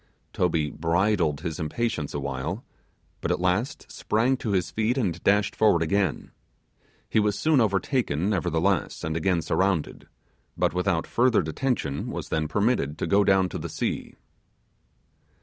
Toby bridled his impatience a while, but at last sprang to his feet and dashed forward again. He was soon overtaken nevertheless, and again surrounded, but without further detention was then permitted to go down to the sea.